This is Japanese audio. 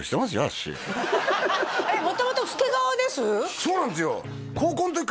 私そうなんですよ